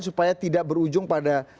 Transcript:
supaya tidak berujung pada